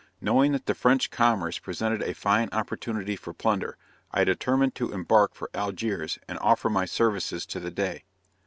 Knowing that the French commerce presented a fine opportunity for plunder, I determined to embark for Algiers and offer my services to the Dey.